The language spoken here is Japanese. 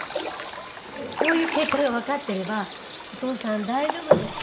こういう結果がわかっていればお父さん大丈夫ですか？って